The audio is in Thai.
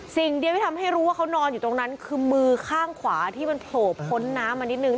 สิ่งเดียวที่ทำให้รู้ว่าเขานอนอยู่ตรงนั้นคือมือข้างขวาที่มันโผล่พ้นน้ำมานิดนึง